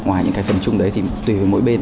ngoài những cái phần chung đấy thì tùy với mỗi bên